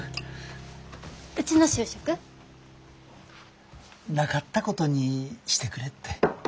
うちの就職？なかったことにしてくれって。